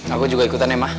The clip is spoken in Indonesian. aku juga ikutan ya mah